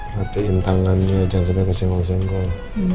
latihan tangannya jangan sampai kesenggol senggol